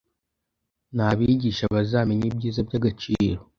n’abigisha bazamenya ibyiza by’agaciro